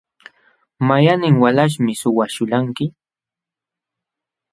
¿Mayqannin walaśhmi suwaśhulqanki?